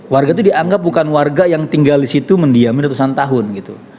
warga itu dianggap bukan warga yang tinggal di situ mendiami ratusan tahun gitu